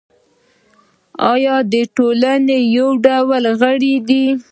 یا د ټولنې د یوې ډلې غړی دی.